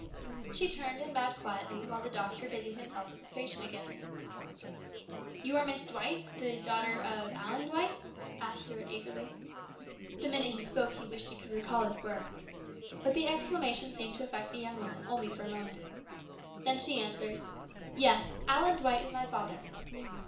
She turned and bowed quietly while the doctor busied himself with his patient again. " You are Miss Dwight, the daughter of Allen 122 HIS BROTHER'S KEEPER. Dwight ?" asked Stuart eagerly. The minute he spoke he wished he could recall his words. But the exclamation seemed to affect the young woman only for a moment. Then she answered, " Yes, Allen Dwight is my father."